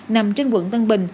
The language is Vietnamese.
nằm trên quận tân bình